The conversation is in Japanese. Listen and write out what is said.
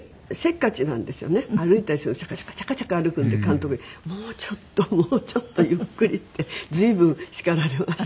歩いたりするのもシャカシャカシャカシャカ歩くんで監督に「もうちょっともうちょっとゆっくり」って随分叱られました。